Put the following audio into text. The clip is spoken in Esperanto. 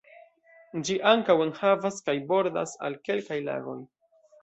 Gi ankaŭ enhavas kaj bordas al kelkaj lagoj.